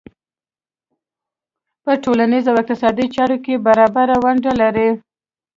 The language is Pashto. په ټولنیزو او اقتصادي چارو کې برابره ونډه لري.